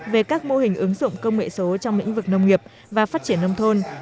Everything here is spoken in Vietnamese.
về các mô hình ứng dụng công nghệ số trong lĩnh vực nông nghiệp và phát triển nông thôn